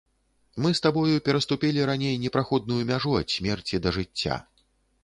Мы з табою пераступілі раней непраходную мяжу ад смерці да жыцця.